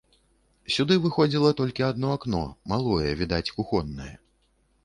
Сюды выходзіла толькі адно акно, малое, відаць, кухоннае.